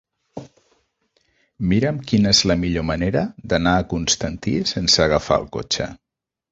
Mira'm quina és la millor manera d'anar a Constantí sense agafar el cotxe.